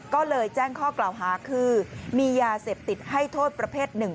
ก็เลยแจ้งข้อกล่าวหาคือมียาเสพติดให้โทษประเภทหนึ่ง